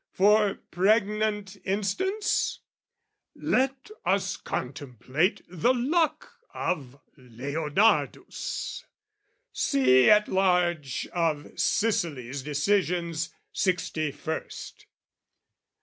For pregnant instance, let us contemplate The luck of Leonardus, see at large Of Sicily's Decisions sixty first.